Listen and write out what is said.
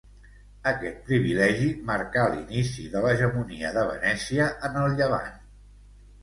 Aquest privilegi marcà l'inici de l'hegemonia de Venècia en el llevant.